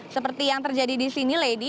seperti yang terjadi di sini lady